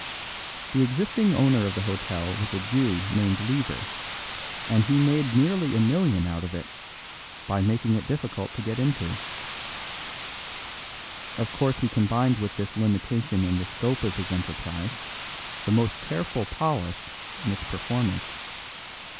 The existing owner of the hotel was a Jew named Lever; and he made nearly a million out of it, by making it difficult to get into. Of course he combined with this limitation in the scope of his enterprise the most careful polish in its performance.